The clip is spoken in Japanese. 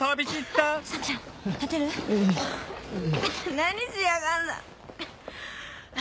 何しやがんだ。